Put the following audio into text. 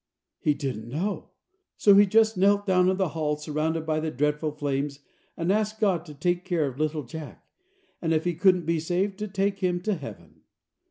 He didn't know. So he just knelt down in the hall surrounded by the dreadful flames, and asked God to take care of little Jack, and if he couldn't be saved to take him to heaven.